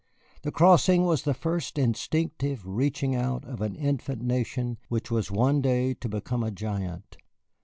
The Crossing was the first instinctive reaching out of an infant nation which was one day to become a giant.